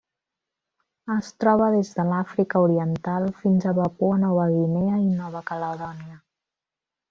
Es troba des de l'Àfrica Oriental fins a Papua Nova Guinea i Nova Caledònia.